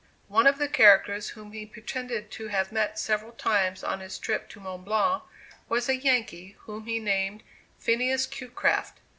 One of the characters whom he pretended to have met several times on his trip to Mont Blanc, was a Yankee, whom he named "Phineas Cutecraft."